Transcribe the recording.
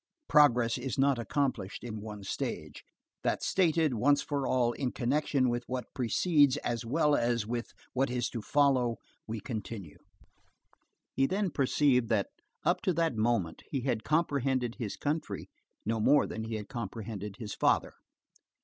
Progress is not accomplished in one stage. That stated, once for all, in connection with what precedes as well as with what is to follow, we continue. He then perceived that, up to that moment, he had comprehended his country no more than he had comprehended his father.